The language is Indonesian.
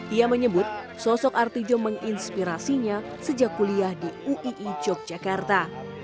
ia menyebut sosok artijo menginspirasinya sejak kuliah di uii yogyakarta